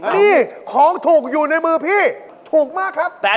หลอดไหนราคา